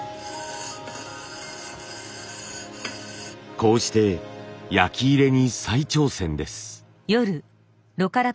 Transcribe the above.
こうして焼き入れに再挑戦です。